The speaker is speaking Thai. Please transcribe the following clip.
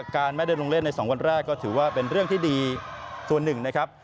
การไม่ได้ลงเล่นใน๒วันแรกก็ถือว่าเป็นเรื่องที่ดีส่วนหนึ่งนะครับ